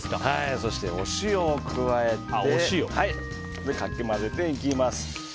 そしてお塩を加えてかき混ぜていきます。